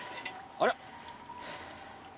あれ？